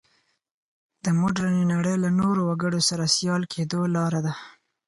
د مډرنې نړۍ له نورو وګړو سره سیال کېدو لاره ده.